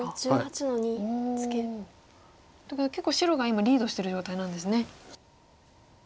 おお。ということは結構白が今リードしてる状態なんですね。